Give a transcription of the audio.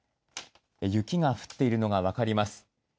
雪が降っているのが分かります。